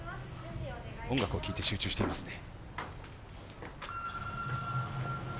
音楽を聴いて集中していますね。